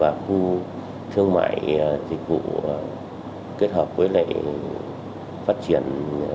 và khu thương mại dịch vụ kết hợp với lệ phát triển